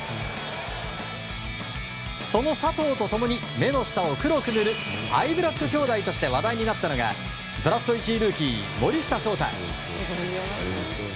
その佐藤と共に目の下を黒く塗るアイブラック兄弟として話題になったのがドラフト１位ルーキー森下翔太。